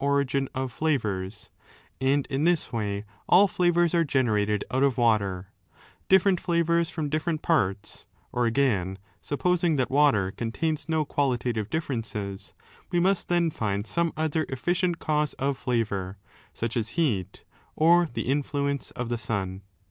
164 DS8BN8U NATURE OF FLAVOURS 165 the universal germ origin of flavours,^ and in this way all flavours are generated out of water, different flavours from different parts; or again, supposing that water contains no qualitative differences, we must then find some other efficient cause of flavour, such as heat or the influence of the sun.